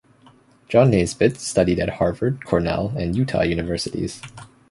John Naisbitt studied at Harvard, Cornell and Utah universities.